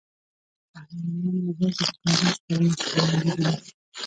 بهرنیان یوازې د کاغذ پر مخ پلان جوړوي.